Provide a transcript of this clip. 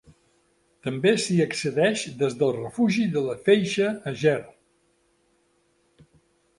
També s'hi accedeix des del Refugi de la Feixa a Ger.